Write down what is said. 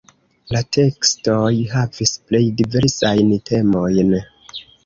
La tekstoj havis plej diversajn temojn.